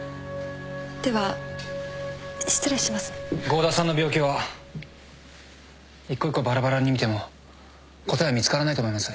郷田さんの病気は一個一個バラバラに見ても答えは見つからないと思います。